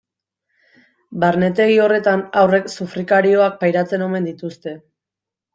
Barnetegi horretan haurrek sufrikarioak pairatzen omen dituzte.